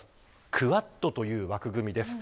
クアッドという枠組みです。